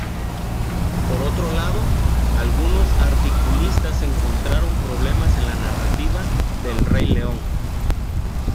Por otro lado, algunos articulistas encontraron problemas en la narrativa de "El rey león".